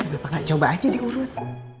berapa gak coba aja diurut